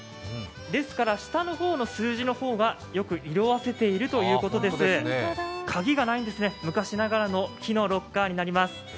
ですから下の方の数字がよく色あせてるということで鍵がないんですね、昔ながらの木のロッカーになります。